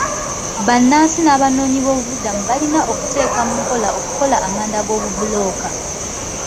Bannansi n'abanoonyiboobubudamu balina okuteeka mu nkola okukola amanda g'obubulooka.